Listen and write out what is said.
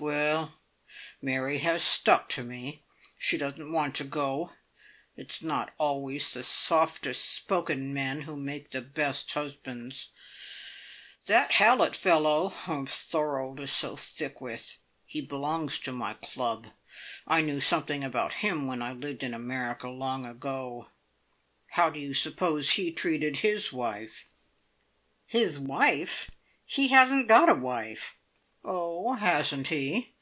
Well, Mary has stuck to me. She doesn't want to go! It's not always the softest spoken men who make the best husbands. That Hallett fellow, whom Thorold is so thick with he belongs to my club; I knew something about him when I lived in America long ago. How do you suppose he treated his wife?" "His wife? He hasn't got a wife!" "Oh, hasn't he?